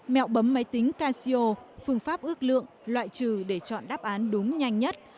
mẹo bấm máy tính casio phương pháp ước lượng loại trừ để chọn đáp án đúng nhanh nhất